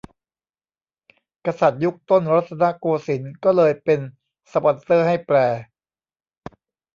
กษัตริย์ยุคต้นรัตนโกสินทร์ก็เลยเป็นสปอนเซอร์ให้แปล